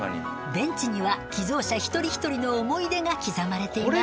ベンチには寄贈者一人一人の思い出が刻まれています。